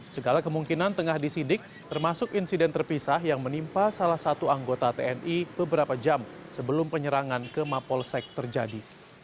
segala kemungkinan tengah disidik termasuk insiden terpisah yang menimpa salah satu anggota tni beberapa jam sebelum penyerangan ke mapolsek terjadi